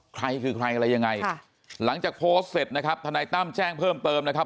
ใครคือใครอะไรยังไงหลังจากโพสต์เสร็จนะครับทนายตั้มแจ้งเพิ่มเติมนะครับ